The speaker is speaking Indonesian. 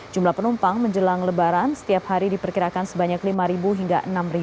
jumlah penumpang menjelang lebaran setiap hari diperkirakan sebanyak lima hingga enam